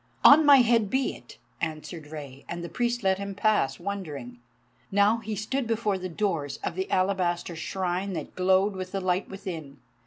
"On my head be it," answered Rei, and the priest let him pass wondering. Now he stood before the doors of the Alabaster Shrine that glowed with the light within.